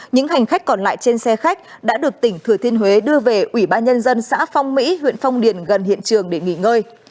những hành khách còn lại trên xe khách đã được tỉnh thừa thiên huế đưa về ủy ban nhân dân xã phong mỹ huyện phong điền gần hiện trường để nghỉ ngơi